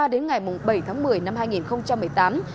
đến ngày bảy tháng một mươi năm hai nghìn một mươi tám